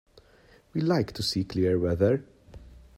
We like to see clear weather.